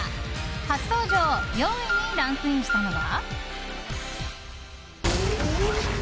初登場４位にランクインしたのは。